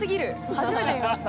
初めて見ました。